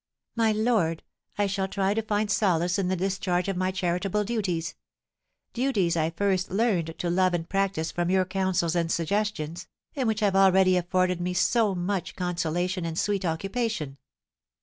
"My lord, I shall try to find solace in the discharge of my charitable duties, duties I first learned to love and practise from your counsels and suggestions, and which have already afforded me so much consolation and sweet occupation."